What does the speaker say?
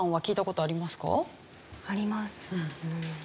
あります。